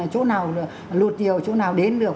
chỗ nào lụt điều chỗ nào đến được